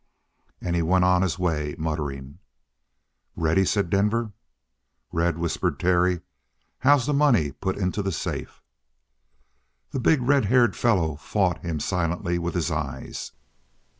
And he went on his way muttering. "Ready!" said Denver. "Red," whispered Terry, "how's the money put into the safe?" The big, red haired fellow fought him silently with his eyes.